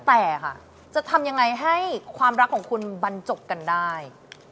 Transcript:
แต่ค่ะจะทำยังไงให้ความรักของคุณบรรจบกันได้